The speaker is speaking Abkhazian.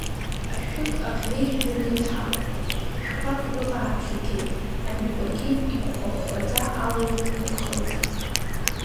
Ашәык аӷьеҩҳәа иныдҳалеит, жәқәак рыҟаабжьы геит, аҩнқәагьы ихәхәа-хәхәаӡа алҩаҵә нырхылҵит.